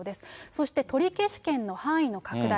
そして取消権の範囲の拡大。